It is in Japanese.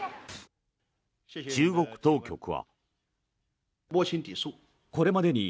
中国当局は。